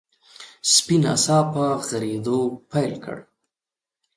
سپي ناڅاپه غريدو پيل کړ.